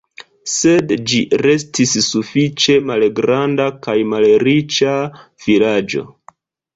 Sed ĝi restis sufiĉe malgranda kaj malriĉa vilaĝo.